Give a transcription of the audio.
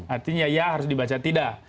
artinya ya harus dibaca tidak